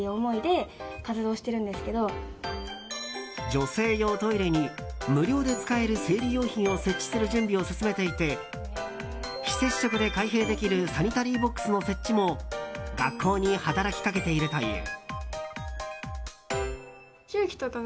女性用トイレに無料で使える生理用品を設置する準備を進めていて非接触で開閉できるサニタリーボックスの設置も学校に働きかけているという。